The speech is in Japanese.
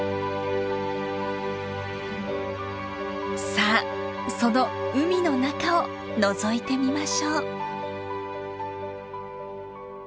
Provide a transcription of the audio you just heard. さあその海の中をのぞいてみましょう。